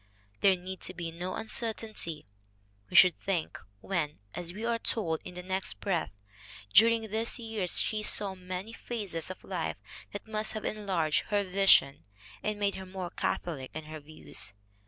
There need be no uncertainty, we should think, when, as we are told in the next breath, "during these years she saw many phases of life that must have enlarged her vision and made her more catholic in her views."